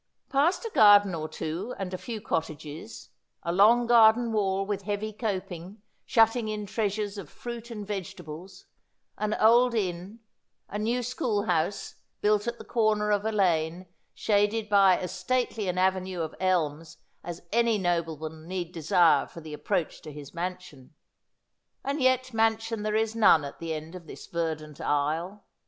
Past a garden or two and a few cottages ; a long garden wall with heavy coping, shutting in treasures of fruit and vege 'Love is a Thing, as any Spirit, Free.' 155 tables ; an old inn ; a new school house, built at the corner of a lane shaded by as stately an avenue of elms as any nobleman need desire for the approach to his mansion. And yet mansion there is none at the end of this verdant aisle.